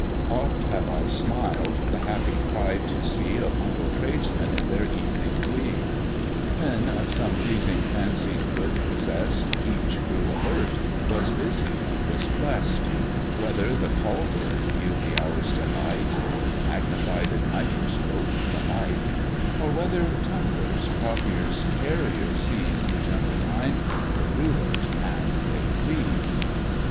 Oft have I smiled the happy pride to see Of humble tradesmen, in their evening glee; When of some pleasing fancied good possess'd, Each grew alert, was busy, and was bless'd: Whether the call bird yield the hour's delight, Or, magnified in microscope the mite; Or whether tumblers, croppers, carriers seize The gentle mind, they rule it and they please.